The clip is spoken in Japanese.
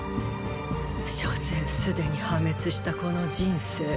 所詮すでに破滅したこの人生